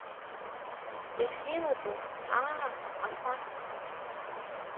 Иахьеилатәоу, аа, аф аст.